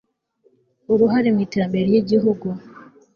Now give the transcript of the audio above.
uruhare mu iterambere ry'igihugu